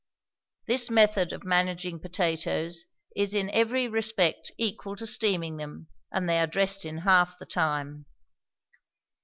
This method of managing potatoes is in every respect equal to steaming them, and they are dressed in half the time.